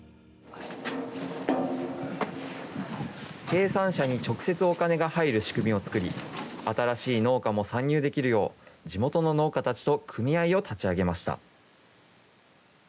生産者に直接お金が入る仕組みを作り、新しい農家も参入できるよう、地元の農家たちと組合を立ち上げました。